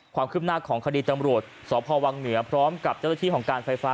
ความคืบหน้าของคดีตำรวจสพวังเหนือพร้อมกับเจ้าหน้าที่ของการไฟฟ้า